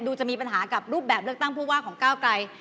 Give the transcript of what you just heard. จะมีปัญหากับรูปแบบเลือกตั้งผู้ว่าของก้าวไกล